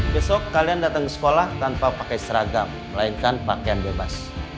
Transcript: besok kalian datang ke sekolah tanpa pakai seragam melainkan pakaian bebas